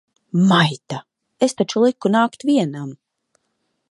Maita! Es taču liku nākt vienam!